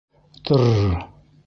— Тр-р-р!